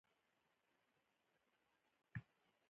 ښامار په لرغونو قصو کې یو ډارونکی څېز وو